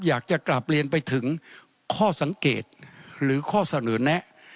อยากจะกลับเรียนไปถึงข้อสังเกตหรือข้อเสนอแนะ